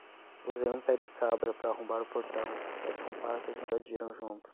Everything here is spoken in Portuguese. Usei um pé de cabra pra arrombar o portão, meus comparsas invadiram junto